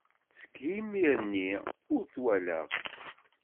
Seg yimir-nni ur t-walaɣ.